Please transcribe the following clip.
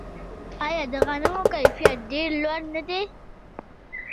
آیا د غنمو کیفیت ډیر لوړ نه دی؟